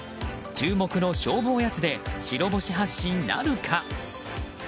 注目の勝負おやつで白星発進なるか？